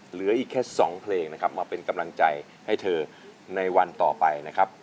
เหลืออีกแค่๒เพลงนะครับมาเป็นกำลังใจให้เธอในวันต่อไปนะครับ